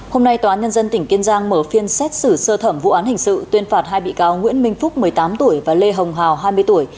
hôm nay tòa án nhân dân tỉnh kiên giang mở phiên xét xử sơ thẩm vụ án hình sự tuyên phạt hai bị cáo nguyễn minh phúc một mươi tám tuổi và lê hồng hào hai mươi tuổi